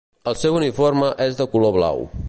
El seu uniforme és de color blau.